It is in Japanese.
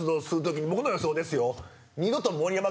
僕の予想ですよ。